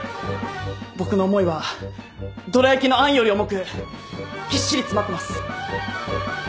僕の思いはどら焼きの餡より重くぎっしり詰まってます。